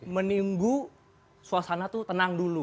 menunggu suasana tuh tenang dulu